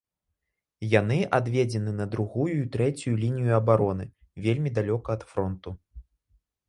Яны адведзены на другую і трэцюю лінію абароны, вельмі далёка ад фронту.